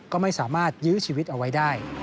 ก็ไม่สามารถยื้อชีวิตเอาไว้ได้